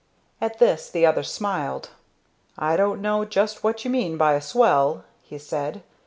At this the other smiled. "I don't know just what you mean by a swell," he said.